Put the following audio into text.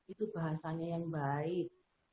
itu bahasanya yang baik